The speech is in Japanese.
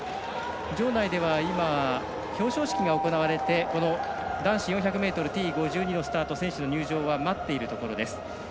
場内では今表彰式が行われてこの男子４００ｍＴ５２の選手の入場は待っているところです。